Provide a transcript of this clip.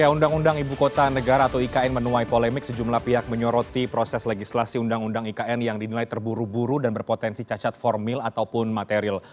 undang undang ibu kota negara atau ikn menuai polemik sejumlah pihak menyoroti proses legislasi undang undang ikn yang dinilai terburu buru dan berpotensi cacat formil ataupun material